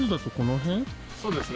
そうですね